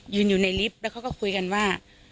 อยู่ในลิฟต์แล้วเขาก็คุยกันว่า